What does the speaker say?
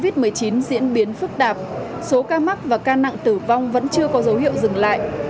trước tình hình dịch bệnh covid một mươi chín diễn biến phức tạp số ca mắc và ca nặng tử vong vẫn chưa có dấu hiệu dừng lại